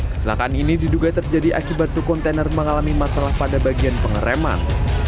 kecelakaan ini diduga terjadi akibat truk kontainer mengalami masalah pada bagian pengereman